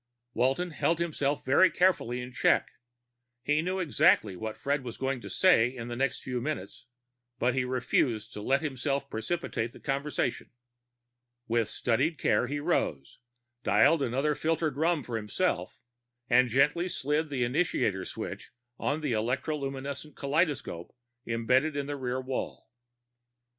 Walton held himself very carefully in check. He knew exactly what Fred was going to say in the next few minutes, but he refused to let himself precipitate the conversation. With studied care he rose, dialed another filtered rum for himself, and gently slid the initiator switch on the electroluminescent kaleidoscope embedded in the rear wall.